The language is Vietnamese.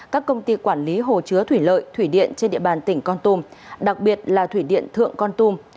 các công ty quản lý hồ chứa thủy lợi thủy điện trên địa bàn tỉnh con tum đặc biệt là thủy điện thượng con tum